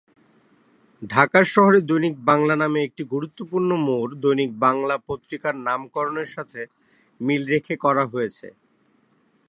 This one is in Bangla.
ঢাকার শহরে দৈনিক বাংলা নামে একটি গুরুত্বপূর্ণ মোড় দৈনিক বাংলা পত্রিকার নামকরণের সাথে মিল রেখে করা হয়েছে।